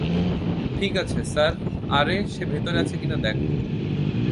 ঠিক আছে, স্যার আরে, সে ভিতরে আছে কিনা দেখ?